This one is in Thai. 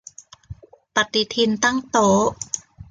ปฏิทินตั้งโต๊ะ